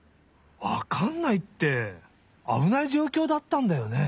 わかんないってあぶないじょうきょうだったんだよね？